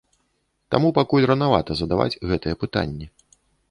Таму пакуль ранавата задаваць гэтыя пытанні.